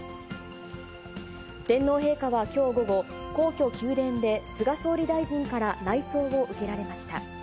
天皇陛下はきょう午後、皇居・宮殿で、菅総理大臣から内奏を受けられました。